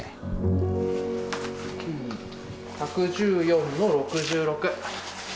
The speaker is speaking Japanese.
１１４の６６。